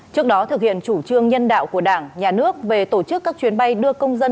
trước đó thực hiện chủ trương nhân đạo của đảng nhà nước về tổ chức các chuyến bay đưa công dân